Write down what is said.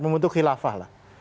membentuk khilafah lah